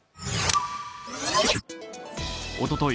おととい